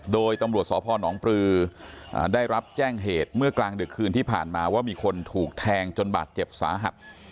โดยตำรวจสพนปลือได้รับแจ้งเหตุเมื่อกลางดึกคืนที่ผ่านมาว่ามีคนถูกแทงจนบาดเจ็บสาหัส